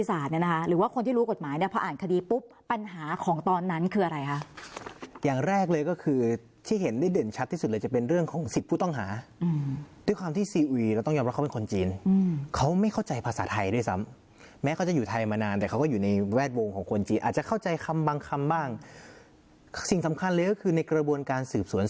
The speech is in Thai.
สรุปรวมให้ฟังหน่อยว่าในฐาแนะเด็กนิติศาสตร์